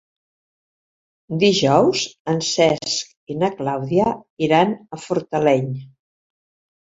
Dijous en Cesc i na Clàudia iran a Fortaleny.